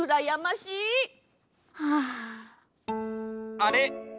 あれ？